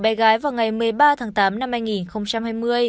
bé gái vào ngày một mươi ba tháng tám năm